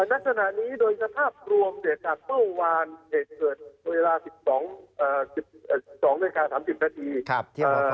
นักศนานี้โดยสภาพรวมเหตุการณ์เมื่อวานเกิดเกิดเวลา๑๒๓๐นครับ